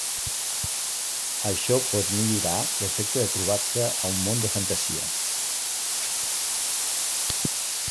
Això pot millorar l"efecte de trobar-se a un món de fantasia.